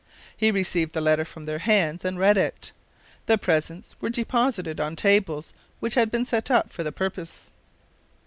He received the letter from their hands and read it. The presents were deposited on tables which had been set for the purpose.